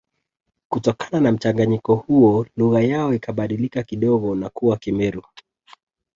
Kutokana na mchanganyiko huo lugha yao ikabadilika kidogo na kuwa Kimeru